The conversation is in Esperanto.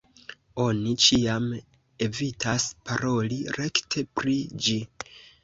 Oni ĉiam evitas paroli rekte pri ĝi.